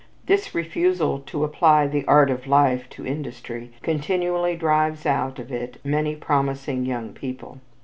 This refusal to apply "the art of life" to industry continually drives out of it many promising young people.